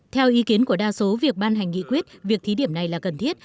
theo ý kiến của đa số việc ban hành nghị quyết việc thí điểm này là cần thiết